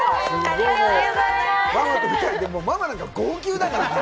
ママと２人で、ママなんか号泣だからね。